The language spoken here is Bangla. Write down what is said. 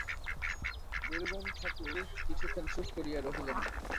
বিল্বন ঠাকুর কিছুক্ষণ চুপ করিয়া রহিলেন।